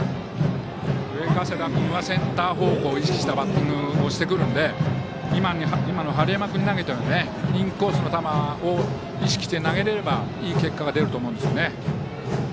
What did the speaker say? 上加世田君はセンター方向を意識したバッティングをしてくるので今の春山君に投げたようなインコースの球を意識して投げられればいい結果が出ると思うんです。